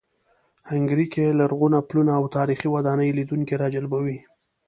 هنګري کې لرغوني پلونه او تاریخي ودانۍ لیدونکي راجلبوي.